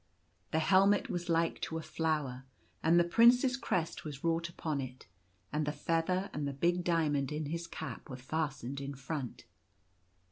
The helmet was like to a flower, and the Prince's crest was wrought upon it, and the feather and the big diamond in his cap were fastened in front.